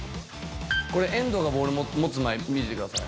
これ、遠藤がボール持つ前、見てください。